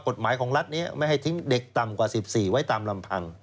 กฎหมายของรัฐนี้ไม่ให้ทิ้งเด็กต่ำกว่า๑๔ไว้ตามลำพัง